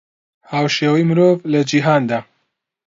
هاوشێوەی مرۆڤ لە جیهاندا